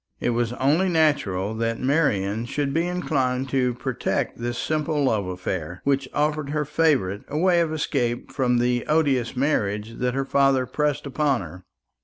It was only natural that Marian should be inclined to protect this simple love affair, which offered her favourite a way of escape from the odious marriage that her father pressed upon her.